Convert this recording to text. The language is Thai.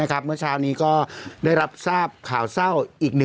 ก็ได้รับทราบข่าวเศร้าอีก๑